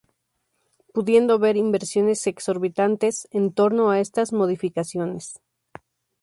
Pudiendo ver inversiones exorbitantes en torno a estas modificaciones.